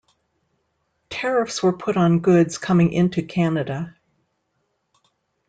Tariffs were put on goods coming into Canada.